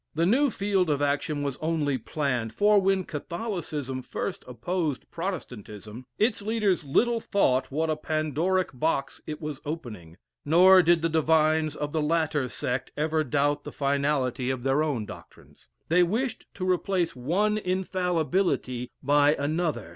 The new field of action was only planned, for when Catholicism first opposed Protestantism, its leaders little thought what a Pandoric box it was opening nor did the Divines of the latter sect ever doubt the finality of their own doctrines. They wished to replace one infallibility by another.